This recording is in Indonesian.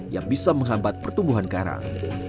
yang bisa menghambat pertumbuhan karang